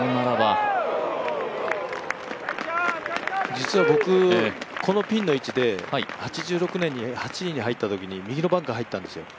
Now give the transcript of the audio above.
実は僕、このピンの位置で８６年で８位に入ったときに右のバンカー入ったんですよ